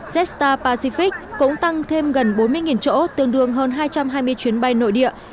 jetstar pacific cũng tăng thêm gần bốn mươi chỗ tương đương hơn hai trăm hai mươi chuyến bay nội địa